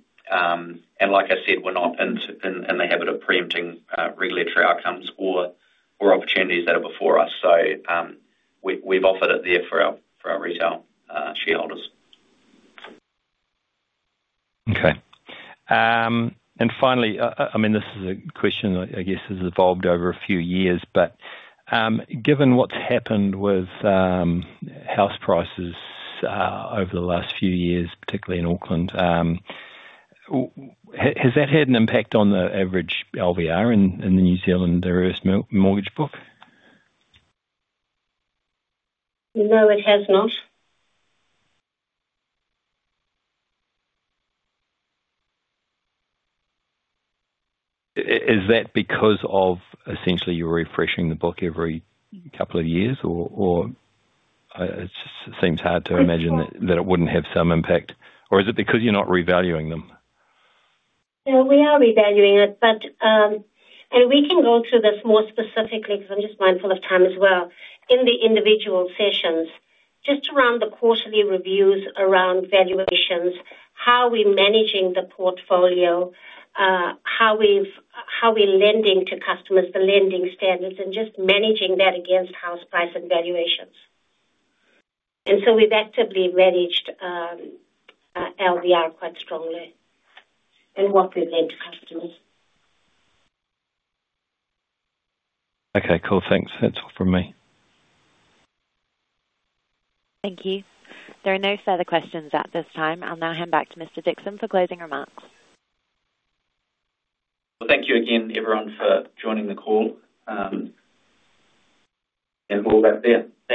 Like I said, we're not in the habit of preempting regulatory outcomes or opportunities that are before us. We've offered it there for our retail shareholders. Okay. Finally, I mean, this is a question I guess has evolved over a few years, but, given what's happened with house prices, over the last few years, particularly in Auckland, has that had an impact on the average LVR in the New Zealand reverse mortgage book? No, it has not. Is that because of essentially you're refreshing the book every couple of years or, it just seems hard to imagine... It's. -that it wouldn't have some impact, or is it because you're not revaluing them? No, we are revaluing it, but we can go through this more specifically, because I'm just mindful of time as well, in the individual sessions. Just around the quarterly reviews around valuations, how we're managing the portfolio, how we're lending to customers, the lending standards, and just managing that against house price and valuations. We've actively managed LVR quite strongly in what we lend to customers. Okay, cool. Thanks. That's all from me. Thank you. There are no further questions at this time. I'll now hand back to Mr. Dixson for closing remarks. Well, thank you again, everyone, for joining the call. All the best there.